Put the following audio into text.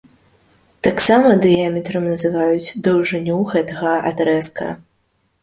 Таксама дыяметрам называюць даўжыню гэтага адрэзка.